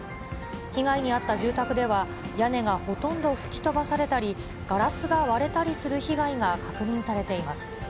被害に遭った住宅では、屋根がほとんど吹き飛ばされたり、ガラスが割れたりする被害が確認されています。